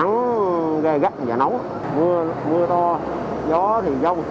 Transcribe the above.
ngày gắt giờ nóng mưa to gió thì dông